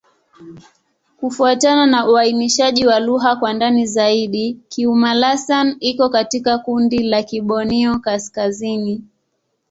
Kufuatana na uainishaji wa lugha kwa ndani zaidi, Kiuma'-Lasan iko katika kundi la Kiborneo-Kaskazini.